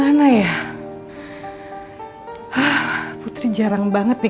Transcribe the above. agar aku akan especially